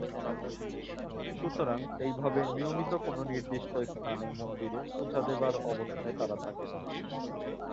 সুতরাং এইভাবে নিয়মিত কোনও নির্দিষ্ট স্থানে মন্দিরে পূজা দেবার অবস্থায় তারা থাকে না।